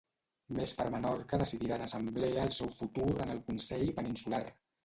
Més per Menorca decidirà en assemblea el seu futur en el consell peninsular.